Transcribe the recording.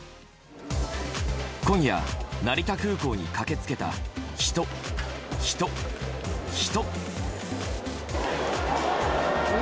今夜、成田空港に駆け付けた人、人、人。